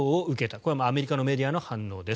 これはアメリカのメディアの反応です。